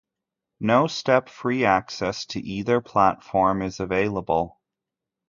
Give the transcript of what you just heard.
No step-free access to either platform is available.